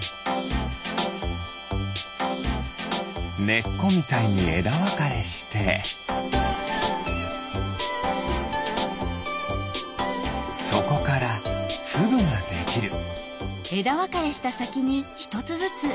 ねっこみたいにえだわかれしてそこからつぶができる。